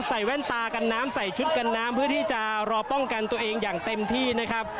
แว่นตากันน้ำใส่ชุดกันน้ำเพื่อที่จะรอป้องกันตัวเองอย่างเต็มที่นะครับ